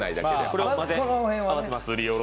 これを混ぜ合わせます。